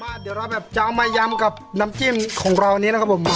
เดี๋ยวเราแบบจะเอามายำกับน้ำจิ้มของเรานี้นะครับผม